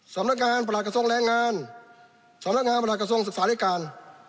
สำนักงานประหลักกระทรวงแรงงานสำนักงานประหลักกระทรวงศึกษาและการ